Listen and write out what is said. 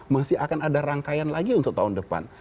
masih akan ada rangkaian lagi untuk tahun depan